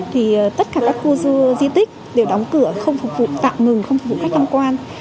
thì tất cả các khu di tích đều đóng cửa không phục vụ tạm ngừng không phục vụ khách tham quan